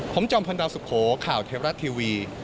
ผมจอมพลดาวสุโขข่าวเทวรัฐทีวี